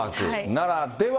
ならでは